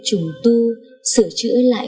trùng tu sửa chữa lại